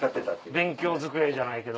勉強机じゃないけど。